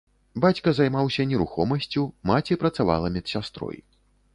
Бацька займаўся нерухомасцю, маці працавала медсястрой.